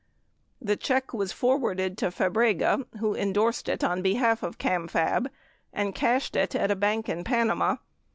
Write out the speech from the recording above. The check was forwarded to Fabrega who endorsed it on behalf of Camfab and cashed it at a bank in Panama.